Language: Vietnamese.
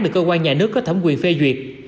được cơ quan nhà nước có thẩm quyền phê duyệt